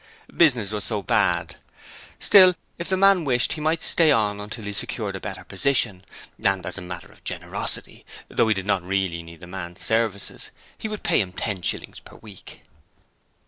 Business was so bad. Still, if the Man wished he might stay on until he secured a better 'position' and, as a matter of generosity, although he did not really need the Man's services, he would pay him ten shillings per week!